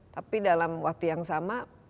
tapi dalam waktu yang sama